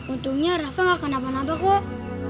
untungnya rafa gak akan apa apa kok